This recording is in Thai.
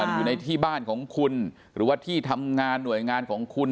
มันอยู่ในที่บ้านของคุณหรือว่าที่ทำงานหน่วยงานของคุณ